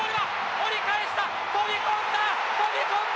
折り返した、飛び込んだ！